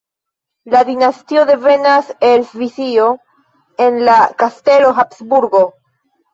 La dinastio devenas el Svisio en la kastelo Habsburgo.